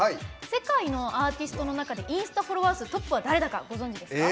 世界のアーティストの中でインスタフォロワー数トップは誰だかご存じですか？